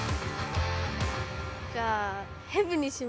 じゃあヘビにします。